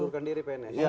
ya mundurkan diri pns